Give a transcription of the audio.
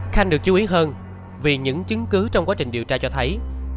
khanh được chú ý hơn vì những chứng cứ trong quá trình điều tra cho thấy